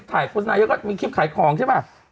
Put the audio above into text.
ถ่ายความน้อยแล้วก็มีคลิปขายของใช่ป่าว